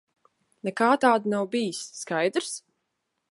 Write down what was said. Nekā tāda nav bijis. Skaidrs?